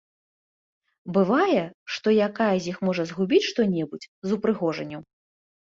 Бывае, што якая з іх можа згубіць што-небудзь з упрыгожанняў.